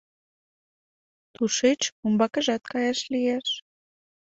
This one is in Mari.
Тушеч умбакыжат каяш лиеш.